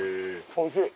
おいしい。